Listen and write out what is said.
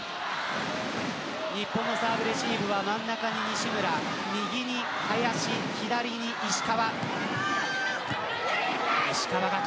日本のサーブレシーブは真ん中に西村右に林、左に石川。